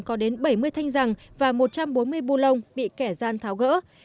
có đến bảy mươi thanh răng và một trăm bốn mươi bu lông bị kẻ gian tháo gỡ